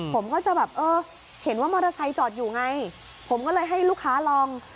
ผมก็จะแบบเออเห็นว่ามอเตอร์ไซค์จอดอยู่ไงผมก็เลยให้ลูกค้าลอง